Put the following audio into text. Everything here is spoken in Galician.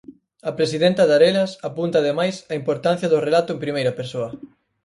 A presidenta de Arelas apunta ademais a importancia do relato en primeira persoa.